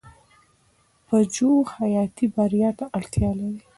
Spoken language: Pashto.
پژو حیاتي بریا ته اړتیا لرله.